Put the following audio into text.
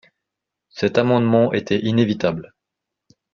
Cet amendement était inévitable.